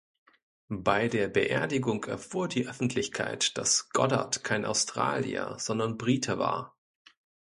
Bei der Beerdigung erfuhr die Öffentlichkeit, dass Goddard kein Australier, sondern Brite war.